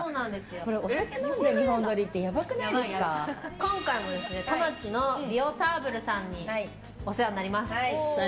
今回も田町のビオターブルさんにお世話になります。